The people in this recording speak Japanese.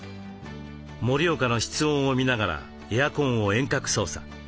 盛岡の室温を見ながらエアコンを遠隔操作。